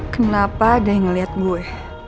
kenapa ada yang ngeliat gue